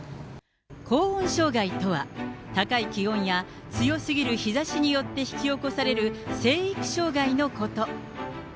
高温障害とは、高い気温や強すぎる日ざしによって引き起こされる生育障害のこと。